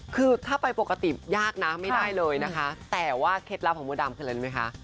คือถ้าไปปกติยากนะไม่ได้เลยนะคะแต่ว่าเคล็ดลับของมดดำคืออะไรรู้ไหมคะ